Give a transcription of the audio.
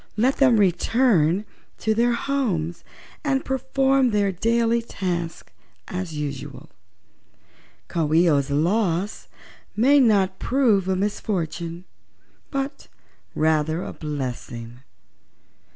Let them return to their homes and perform their daily tasks as usual. Coo ee oh's loss may not prove a misfortune, but rather a blessing."